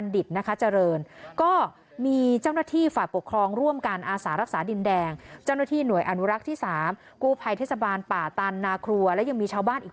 ที่อำเภอแม่ท้าจังหวัดลำปาง